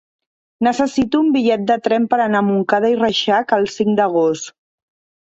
Necessito un bitllet de tren per anar a Montcada i Reixac el cinc d'agost.